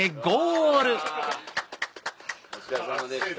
お疲れさまでした。